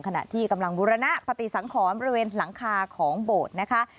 ขณะที่กำลังบุรณปฏิสังขรบริเวณหลังคาของโบสถ์นะคะ